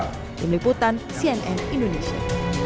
peniputan cnn indonesia